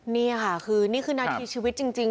นี่ค่ะคือนี่คือนาทีชีวิตจริง